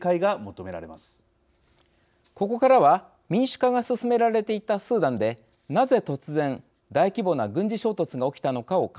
ここからは民主化が進められていたスーダンでなぜ突然大規模な軍事衝突が起きたのかを考えます。